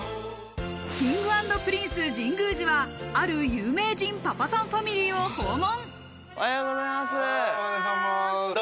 Ｋｉｎｇ＆Ｐｒｉｎｃｅ・神宮寺はある有名人パパさんファミリーを訪問。